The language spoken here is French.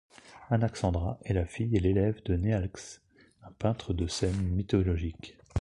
Anaxandra est la fille et l'élève de Nealkes, un peintre de scène mythologiques.